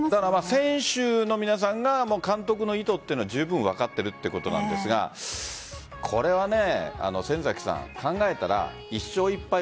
選手の皆さんが監督の意図をじゅうぶん分かっているということなんですがこれは先崎さん考えたら１勝１敗